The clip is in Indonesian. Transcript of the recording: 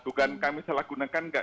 bukan kami salah gunakan enggak